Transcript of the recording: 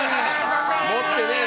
持ってねえな。